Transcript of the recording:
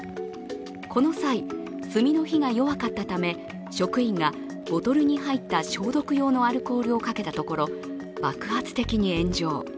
この際、炭の火が弱かったため職員がボトルに入った消毒用のアルコールをかけたところ爆発的に炎上。